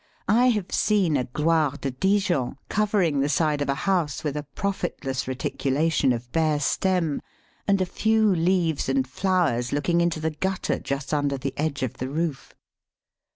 I have seen a Gloire de Dijon covering the side of a house with a profitless reticulation of bare stem, and a few leaves and flowers looking into the gutter just under the edge of the roof.